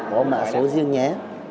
có mạ số riêng nhé